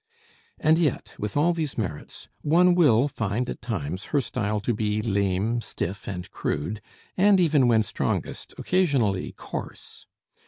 And yet, with all these merits, one will find at times her style to be lame, stiff, and crude, and even when strongest, occasionally coarse.